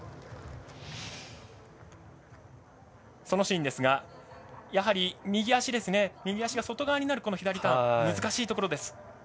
そのシーンですが、やはり右足が外側になる左ターン難しいところです。